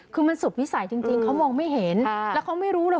คือมันสุดวิสัยจริงเขามองไม่เห็นแล้วเขาไม่รู้เลย